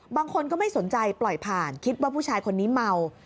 บางคนก็ไม่สนใจปล่อยผ่านคิดว่าผู้ชายคนนี้เมา